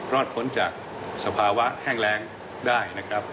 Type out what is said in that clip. รอดพ้นจากสภาวะแห้งแรงได้